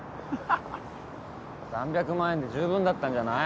３００万円で十分だったんじゃない？